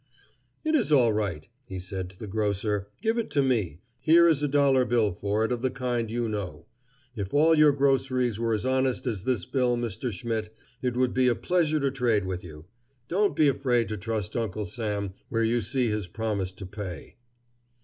"It is all right," he said to the grocer. "Give it to me. Here is a dollar bill for it of the kind you know. If all your groceries were as honest as this bill, Mr. Schmidt, it would be a pleasure to trade with you. Don't be afraid to trust Uncle Sam where you see his promise to pay."